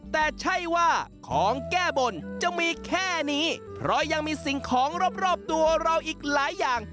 แต่ใช่ว่าของแก้บนจะมีแค่นี้เพราะยังมีสิ่งของรอบตัวเราอีกหลายอย่าง